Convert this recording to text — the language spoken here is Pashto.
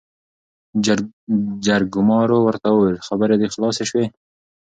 جرګمارو ورته وويل خبرې دې خلاصې شوې ؟